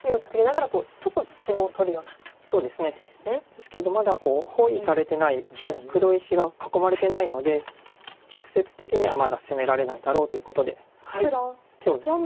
ですけどまだ包囲されてない黒石が囲まれてないので直接的にはまだ攻められないだろうということで手を抜きました。